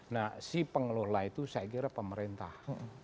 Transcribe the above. nah si pengelola itu saya kira pemerintah